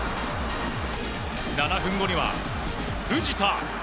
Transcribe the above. ７分後には藤田。